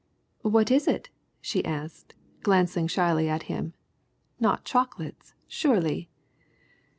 "What is it?" she asked, glancing shyly at him. "Not chocolates surely!"